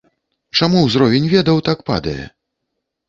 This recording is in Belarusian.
Чаму ўзровень ведаў так падае?